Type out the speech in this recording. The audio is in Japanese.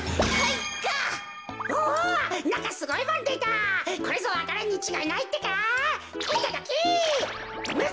いただき！